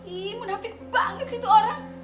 ii mudafik banget sih tuh orang